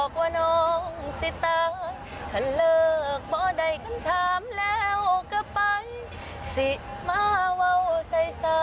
ประมาณนี้